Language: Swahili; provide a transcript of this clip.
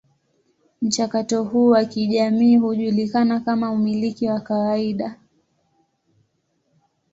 Mchakato huu wa kijamii hujulikana kama umiliki wa kawaida.